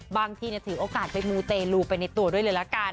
บางทีถือโอกาสไปมูเตลูไปในตัวด้วยเลยละกัน